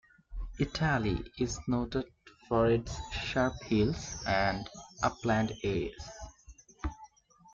Italy is noted for its sharp hills and upland areas.